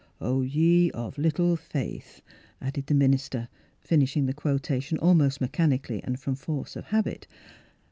""' Oh, ye of little faith,' " added the minister, finishing the quotation almost mechanically and from force of habit.